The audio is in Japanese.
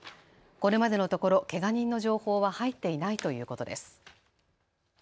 これまでのところ、けが人の情報は入っていないということです。